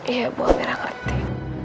iya bu amira ngerti